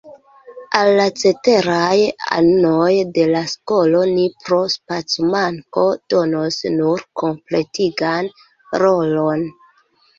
Al la ceteraj anoj de la skolo ni pro spacomanko donos nur kompletigan rolon.